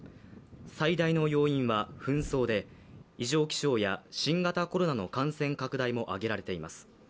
最大の要因は紛争で、異常気象や新型コロナの感染拡大も挙げられています。